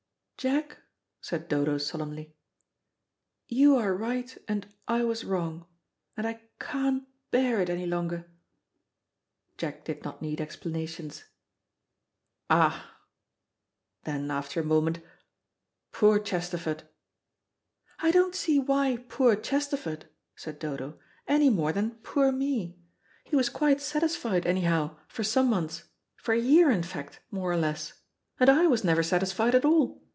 "Jack," said Dodo solemnly, "you are right, and I was wrong. And I can't bear it any longer." Jack did not need explanations. "Ah!" then after a moment, "poor Chesterford!" "I don't see why 'poor Chesterford,'" said Dodo, "any more than 'poor me.' He was quite satisfied, anyhow, for some months, for a year in fact, more or less, and I was never satisfied at all.